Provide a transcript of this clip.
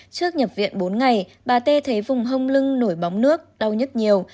trước nhập viện bốn ngày bà tê thấy vùng hông lưng nổi bóng nước đau nhất nhiều